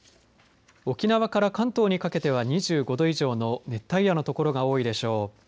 沖縄から関東にかけては２５度以上の熱帯夜の所が多いでしょう。